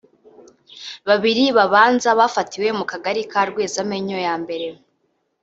Babiri babanza bafatiwe mu kagari ka Rwezamenyo ya mbere